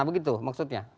tapi yang terakhir adalah